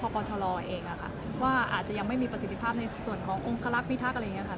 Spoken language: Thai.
ว่าอาจจะไม่มีประสิทธิภาพในส่วนขององค์ฮัลฯ์นิธักษ์